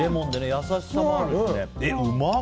優しさもあるしね、うまっ！